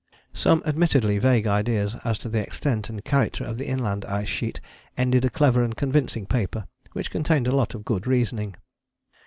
Some admittedly vague ideas as to the extent and character of the inland ice sheet ended a clever and convincing paper which contained a lot of good reasoning.